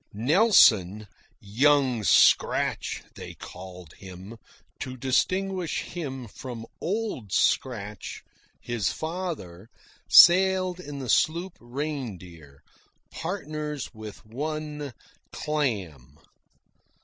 Nelson, "Young Scratch" they called him, to distinguish him from "Old Scratch," his father, sailed in the sloop Reindeer, partners with one "Clam."